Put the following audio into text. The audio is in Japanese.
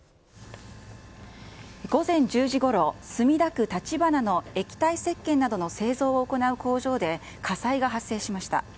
午前１０時ごろ、墨田区たちばなの液体せっけんなどの製造を行う工場で火災が発生しました。